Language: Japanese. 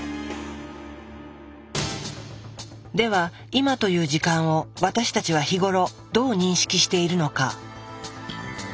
では今という時間を私たちは日頃どう認識しているのか。